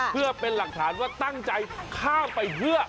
เพื่อเป็นหลักฐานว่าตั้งใจข้ามไปเพื่อ